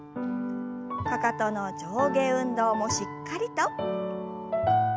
かかとの上下運動もしっかりと。